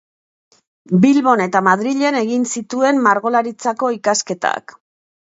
Bilbon eta Madrilen egin zituen Margolaritzako ikasketak.